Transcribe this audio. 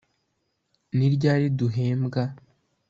ni ryari duhembwa